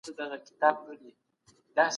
ایا تاسو پوهېږئ چې کوچنۍ ټولنپوهنه څه مانا لري؟